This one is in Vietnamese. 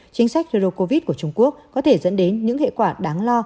chính sách rô covid của trung quốc có thể dẫn đến những hệ quả đáng lo